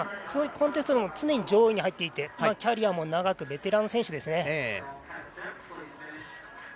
コンテストでも常に上位に入っていてキャリアも長くベテラン選手です。